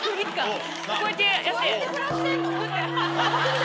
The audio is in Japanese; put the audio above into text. こうやってやって。